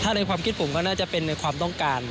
ถ้าในความคิดผมก็น่าจะเป็นในความต้องการ